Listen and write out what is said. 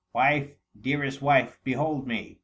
" Wife, dearest wife, behold me